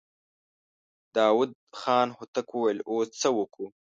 داوود خان هوتک وويل: اوس څه وکو؟